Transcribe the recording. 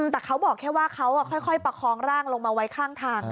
แต่เขาบอกแค่ว่าเขาค่อยประคองร่างลงมาไว้ข้างทาง